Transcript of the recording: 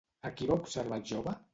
A qui va observar el jove?